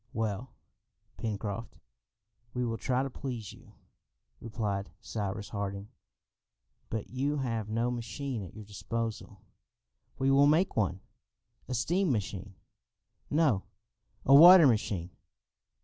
"Well, Pencroft, we will try to please you," replied Cyrus Harding. "But you have no machine at your disposal." "We will make one." "A steam machine?" "No, a water machine."